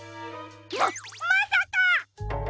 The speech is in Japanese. ままさか！